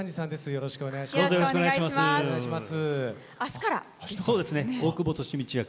よろしくお願いします。